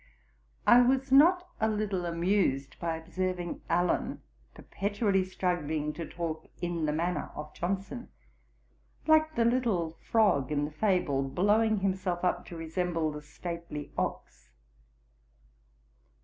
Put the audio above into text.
I was not a little amused by observing Allen perpetually struggling to talk in the manner of Johnson, like the little frog in the fable blowing himself up to resemble the stately ox.